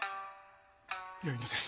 よいのです。